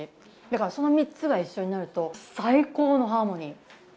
だから、その３つが一緒になると最高のハーモニー。